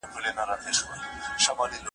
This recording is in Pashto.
د کومې ښځې غږ دې پام کړي،